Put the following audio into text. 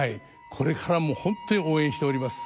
これからも本当に応援しております。